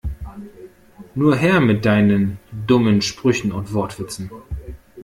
Nur her mit deinen dummen Sprüchen und Wortwitzen!